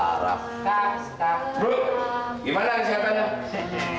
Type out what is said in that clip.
bro gimana kesehatannya